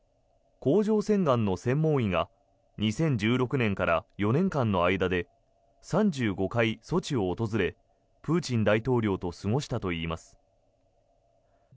甲状腺がんの専門医が２０１６年から４年間の間で３５回、ソチを訪れプーチン大統領と過ごしたといいます。